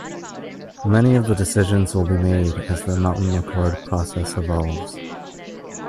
Many of the decisions will be made as the Mountain Accord process evolves.